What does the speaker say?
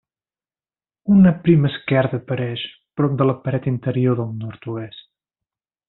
Una prima esquerda apareix prop de la paret interior del nord-oest.